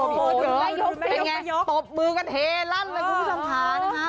โอ้โหคุณไม่ยกสิไม่ยกไม่ยกปบมือกันเฮลั่นเลยคุณผู้ชมค้านะคะ